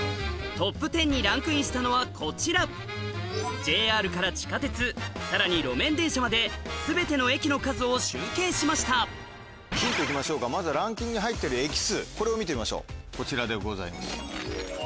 トップ１０にランクインしたのはこちらＪＲから地下鉄さらに路面電車まで全ての駅の数を集計しましたヒント行きましょうかまずはランキングに入ってる駅数これを見てみましょうこちらでございます。